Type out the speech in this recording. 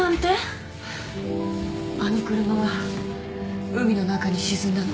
あの車は海の中に沈んだの。